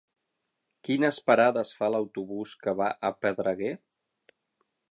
Quines parades fa l'autobús que va a Pedreguer?